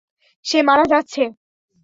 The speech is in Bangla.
সে মারা যাচ্ছে।